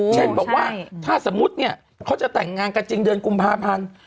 เช่นบอกว่าถ้าสมมุติเนี่ยเขาจะแต่งงานกันจริงเดือนกุมภาพันธ์